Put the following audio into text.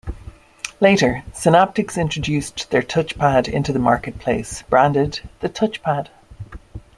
Later, Synaptics introduced their touchpad into the marketplace, branded the TouchPad.